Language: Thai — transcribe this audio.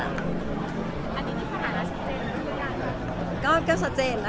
อันนี้ในฐานะซะเจนหรือยังไง